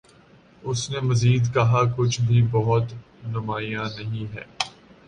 اس نے مزید کہا کچھ بھِی بہت نُمایاں نہیں ہے